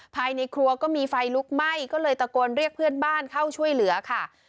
ภายในครัวก็มีไฟลุกไหม้ก็เลยตะโกนเรียกเพื่อนบ้านเข้าช่วยเหลือค่ะ